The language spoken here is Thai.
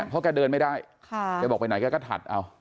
เพราะแกเดินไม่ได้แกบอกไปไหนแกก็ถัดเอา